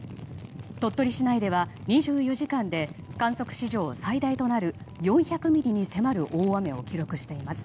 鳥取市内では２４時間で観測史上最大となる４００ミリに迫る大雨を記録しています。